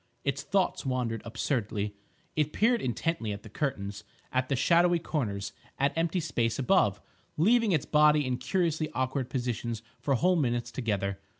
Its thoughts wandered absurdly. It peered intently at the curtains; at the shadowy corners; at empty space above; leaving its body in curiously awkward positions for whole minutes together.